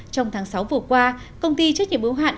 trong tháng sáu vừa qua công ty chất nhiệm bố hạn